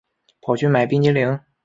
跑去买冰淇淋